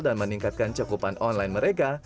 dan meningkatkan cekupan online mereka